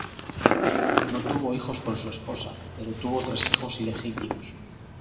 No tuvo hijos con su esposa, pero tuvo tres hijos ilegítimos.